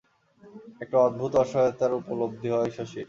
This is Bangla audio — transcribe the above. একটা অদ্ভুত অসহায়তার উপলব্ধি হয় শশীর।